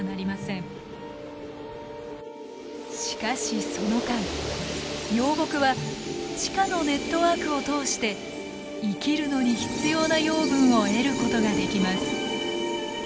しかしその間幼木は地下のネットワークを通して生きるのに必要な養分を得ることができます。